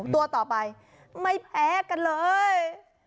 ตัวต่อไปไม่แพ้กันเลย